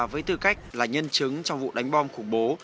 với tư cách là nhân chứng trong vụ đánh bom khủng bố